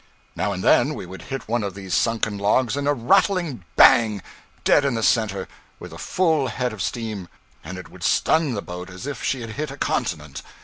Now and then we would hit one of these sunken logs a rattling bang, dead in the center, with a full head of steam, and it would stun the boat as if she had hit a continent.